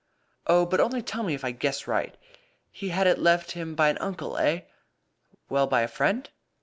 "Oh, but only tell me if I guess right. He had it left him by an uncle, eh? Well, by a friend?